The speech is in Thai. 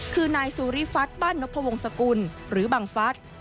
คือนายสุริฟัฒนบ้านนพวงศกุลหรือบังฟัส